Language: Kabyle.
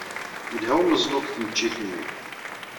Yelha umeẓlu deg tneččit-nni.